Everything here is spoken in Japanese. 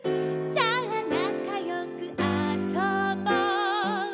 「さあなかよくあそぼう」